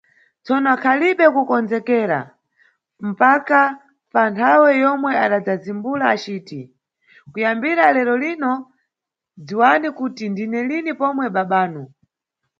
Tsono akhalibe kukondzekera mpaka pa nthawe yomwe adadzazimbula aciti, kuyambira lero lino, dziwani kuti ndine lini pomwe babanu.